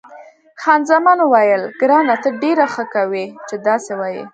خان زمان وویل، ګرانه ته ډېره ښه کوې چې داسې وایې.